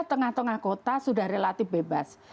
tengah tengah kota sudah relatif bebas